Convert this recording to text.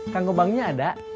kang gobangnya ada